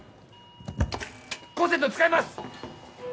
コンセント使えます！